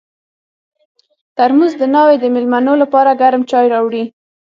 ترموز د ناوې د مېلمنو لپاره ګرم چای راوړي.